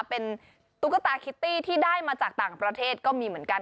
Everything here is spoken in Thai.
เป็นตุ๊กตาคิตตี้ที่ได้มาจากต่างประเทศก็มีเหมือนกัน